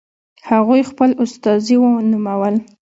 هغوی خپل استازي ونومول.